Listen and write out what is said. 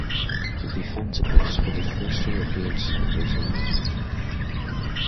The Fencibles were the first European settlers in the region.